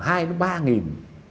hai đến ba nghìn